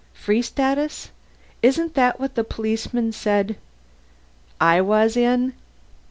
"Free Status? Isn't that what the policeman said " "I was in?"